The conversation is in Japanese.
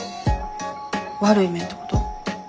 悪い面ってこと？